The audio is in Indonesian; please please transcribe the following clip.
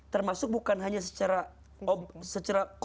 termasuk bukan hanya secara